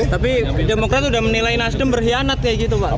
tapi demokrat sudah menilai nasdem berkhianat kayak gitu pak